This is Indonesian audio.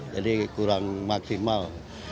jadi kurang maksimal